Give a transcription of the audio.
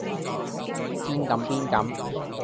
邊敢邊敢